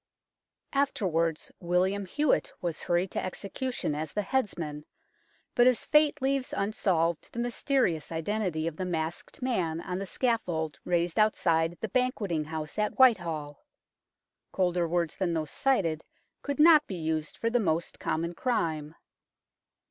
THE BAGA DE SECRETIS 163 Afterwards William Hewlett was hurried to execution as the headsman, but his fate leaves unsolved the mysterious identity of the masked man on the scaffold raised outside the Banquetting House at Whitehall. Colder words than those cited could not be used for the most common crime.